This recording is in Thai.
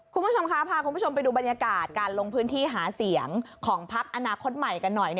คุณผู้ชมคะพาคุณผู้ชมไปดูบรรยากาศการลงพื้นที่หาเสียงของพักอนาคตใหม่กันหน่อย